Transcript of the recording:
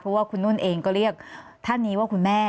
เพราะว่าคุณนุ่นเองก็เรียกท่านนี้ว่าคุณแม่